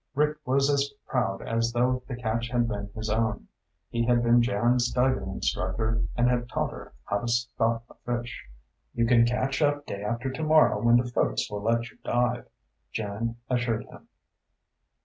Rick was as proud as though the catch had been his own. He had been Jan's diving instructor and had taught her how to stalk a fish. "You can catch up day after tomorrow when the folks will let you dive," Jan assured him.